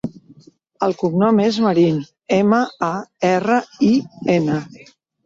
El cognom és Marin: ema, a, erra, i, ena.